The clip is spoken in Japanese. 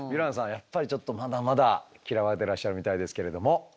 やっぱりちょっとまだまだ嫌われてらっしゃるみたいですけれども。